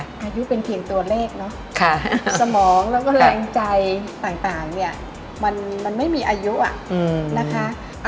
อายุเป็นเพียงตัวเลขเนอะสมองแล้วก็แรงใจต่างเนี่ยมันไม่มีอายุนะคะ